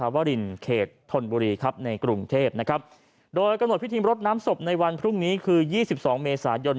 วิทยาภาพพิธรรมในวันที่๒๓๒๘เมษายน